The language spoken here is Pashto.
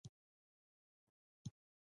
د فراه انار درې د هخامنشي باغونو یادګار دی